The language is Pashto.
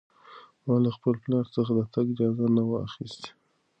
ما له خپل پلار څخه د تګ اجازه نه وه اخیستې.